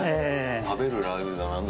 食べるラー油だ